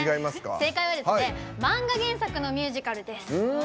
正解は漫画原作のミュージカルです。